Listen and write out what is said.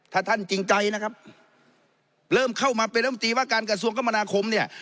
ถ้าท่านจริงใจนะครับเริ่มเข้ามาเป็นรัฐมนตรีว่าการกระทรวงกรรมนาคมเนี่ย